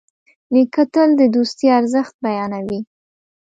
نیکه تل د دوستي ارزښت بیانوي.